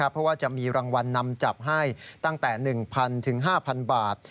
เพราะว่าจะมีรางวัลนำจับให้ตั้งแต่๑๐๐ถึง๕๐๐บาท